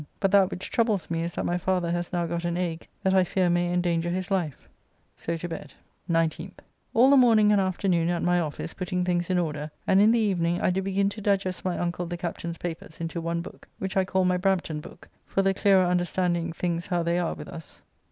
But that which troubles me is that my Father has now got an ague that I fear may endanger his life. So to bed. 19th. All the morning and afternoon at my office putting things in order, and in the evening I do begin to digest my uncle the Captain's papers into one book, which I call my Brampton book, for the clearer understanding things how they are with us.